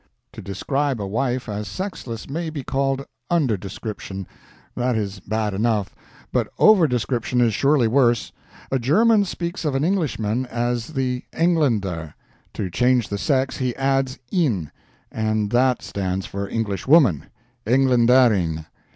To describe a wife as sexless may be called under description; that is bad enough, but over description is surely worse. A German speaks of an Englishman as the ENGLÄNNDER; to change the sex, he adds INN, and that stands for Englishwoman ENGLÄNDERINN.